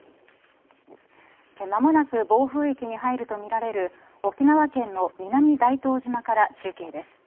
間もなく暴風域に入るとみられる沖縄県の南大東島から中継です。